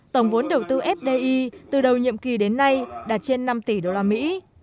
tổng vốn đầu tư fdi từ đầu nhiệm kỳ đến nay đạt trên năm tỷ đô la mỹ